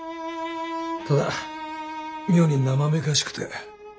ただ妙になまめかしくて。